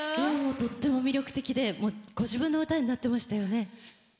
とっても魅力的でご自分の歌になってましたよね。